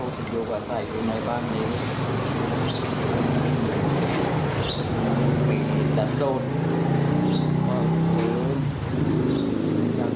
คัยมัน